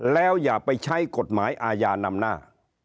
แล้วอย่าไปใช้กฎหมายอาญานำหน้า